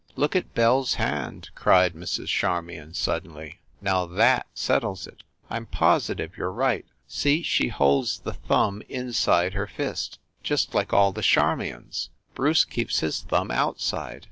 "Look at Belle s hand!" cried Mrs. Charmion, suddenly. "Now that settles it ! I m positive you re right! See, she holds the thumb inside her fist, just like all the Charmions ! Bruce keeps his thumb out side.